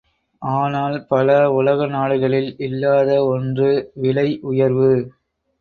ஆனால் பல உலக நாடுகளில் இல்லாத ஒன்று விலை உயர்வு.